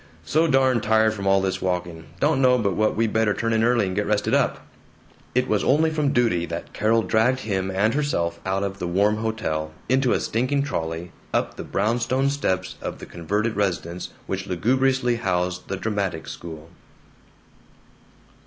"So darn tired from all this walking; don't know but what we better turn in early and get rested up." It was only from duty that Carol dragged him and herself out of the warm hotel, into a stinking trolley, up the brownstone steps of the converted residence which lugubriously housed the dramatic school.